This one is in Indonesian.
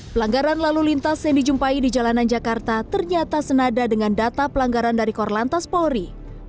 pelanggaran lalu lintas yang dijumpai di jalanan jakarta ternyata senada dengan data pelanggaran dari korlantas polri